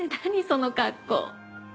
その格好。